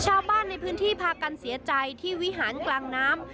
ชาวบ้านในพื้นที่พากันเสียใจที่วิหารกลางน้ำ